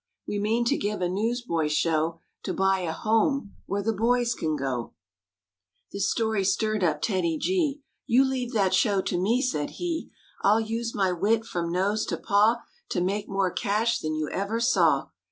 We mean to give a newsboys' show To buy a home where the boys can go." 162 MORE ABOUT THE ROOSEVELT BEARS This story stirred up TEDDY G, "You leave that show to me," said he, " I'll use my wit from nose to paw To make more cash than you ever saw."